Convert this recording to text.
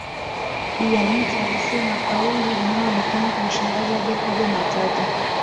Bi Anita alisema kauli iliyoonekana kumshangaza Jacob Matata